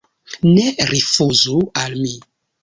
Ne rifuzu al mi.